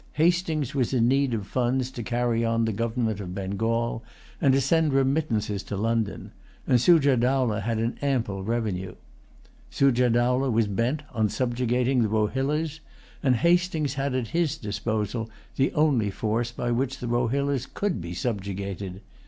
Hastings was in need of funds to carry on the government of Bengal, and to send remittances to London; and Sujah Dowlah had an ample revenue. Sujah Dowlah was bent on subjugating the Rohillas; and Hastings had at his disposal the only force by which the Rohillas could be subjugated.